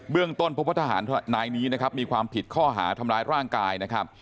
เรื่องต้นพบว่าทหารนายนี้นะครับมีความผิดข้อหาทำร้ายร่างกายนะครับ